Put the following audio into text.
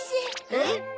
えっ？